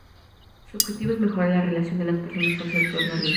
Su objetivo es mejorar la relación de las personas con su entorno ambiental.